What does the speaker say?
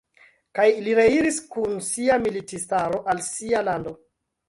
Kaj li reiris kun sia militistaro al sia lando.